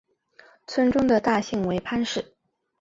村中的大姓为樊氏。